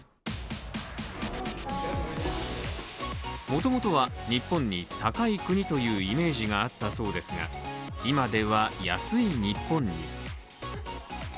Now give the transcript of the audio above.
もともとは日本に高い国というイメージがあったそうですが今では、安い日本に。